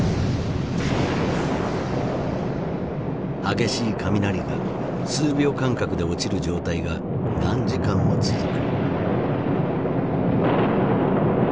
激しい雷が数秒間隔で落ちる状態が何時間も続く。